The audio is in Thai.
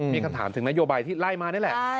มีคำถามถึงนโยบายที่ไล่มานี่แหละ